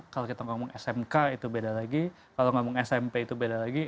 k itu beda lagi kalau ngomong smp itu beda lagi